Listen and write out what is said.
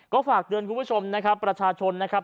ก็ฝากเตือนคุณผู้ชมนะครับประชาชนนะครับ